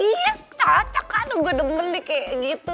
yes cocok aduh gue udah beli kaya gitu